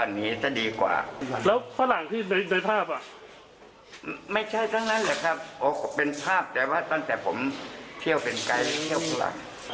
ไม่ใช่ทั้งนั้นเลยครับเป็นภาพแต่ว่าตั้งแต่ผมเที่ยวเป็นไกรเที่ยวพระหลัง